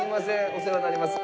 お世話になります。